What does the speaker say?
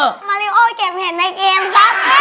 กลับ